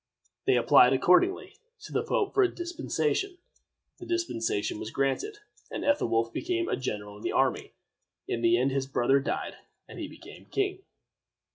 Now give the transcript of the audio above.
They applied, accordingly, to the pope for a dispensation. The dispensation was granted, and Ethelwolf became a general in the army. In the end his brother died, and he became king.